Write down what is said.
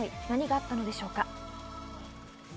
何があったのでしょうか。